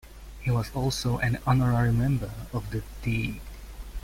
He was also an honorary member of the D.